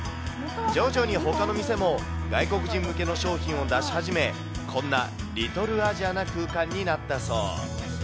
徐々にほかの店も外国人向けの商品を出し始め、こんなリトルアジアな空間になったそう。